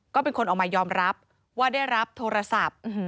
ก็เป็นคนออกมายอมรับว่าได้รับโทรศัพท์